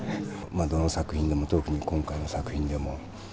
どの作品でも特に今回の作品でも。